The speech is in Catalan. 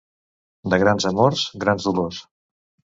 De grans amors, grans dolors.